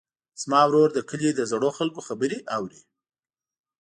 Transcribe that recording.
زما ورور د کلي د زړو خلکو خبرې اوري.